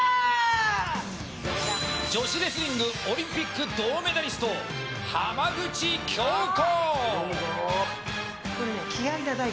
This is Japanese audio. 女子レスリングオリンピック銅メダリスト浜口京子！